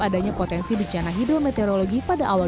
adanya potensi bencana hidrometeorologi pada awal dua ribu dua puluh